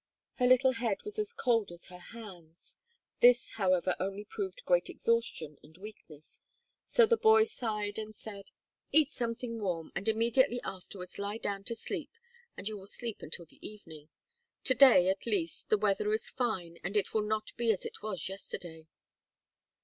Her little head was as cold as her hands; this, however, only proved great exhaustion and weakness, so the boy sighed and said: "Eat something warm and immediately afterwards lie down to sleep and you will sleep until the evening. To day, at least, the weather is fine and it will not be as it was yesterday."